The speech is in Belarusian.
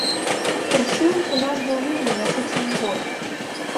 Прычым, у нас быў вельмі насычаны год.